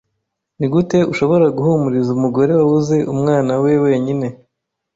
Nigute ushobora guhumuriza umugore wabuze umwana we wenyine?